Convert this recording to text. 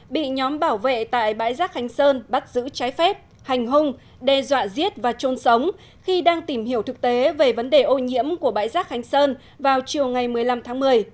bị nhóm bảo vệ tại bãi rác khánh sơn bắt giữ trái phép hành hung đe dọa giết và trôn sống khi đang tìm hiểu thực tế về vấn đề ô nhiễm của bãi rác khánh sơn vào chiều ngày một mươi năm tháng một mươi